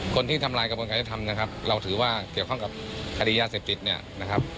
คนที่ทำลายกระบวนการยธรรมนะครับเราถือว่าเกี่ยวข้องกับคดียาเสพจิต